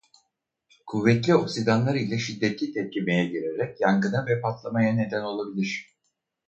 Kuvvetli oksidanlar ile şiddetli tepkimeye girerek yangına ve patlamaya neden olabilir.